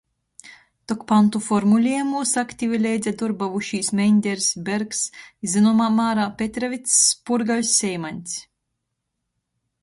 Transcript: Tok pantu formuliejumūs aktivi leidza dorbuojušīs Meņders, Bergs i zynomā mārā Petrevics, Purgaļs, Seimaņs.